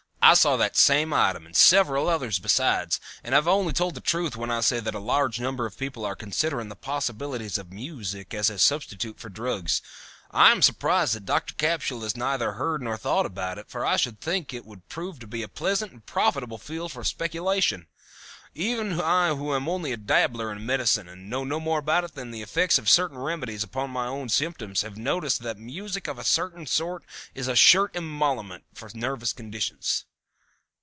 "I saw that same item and several others besides, and I have only told the truth when I say that a large number of people are considering the possibilities of music as a substitute for drugs. I am surprised that Doctor Capsule has neither heard nor thought about it, for I should think it would prove to be a pleasant and profitable field for speculation. Even I who am only a dabbler in medicine, and know no more about it than the effects of certain remedies upon my own symptoms, have noticed that music of a certain sort is a sure emollient for nervous conditions."